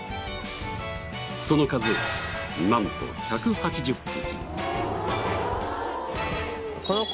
その数なんと１８０匹。